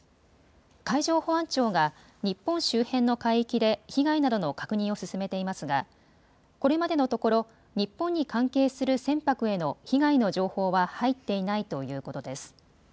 海上保安庁が日本周辺の海域で被害などの確認を進めていますがこれまでのところ日本に関係する船舶への被害の情報は入っていないということです。